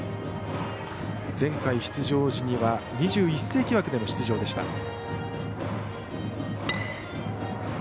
前回出場時には２１世紀枠での出場でした。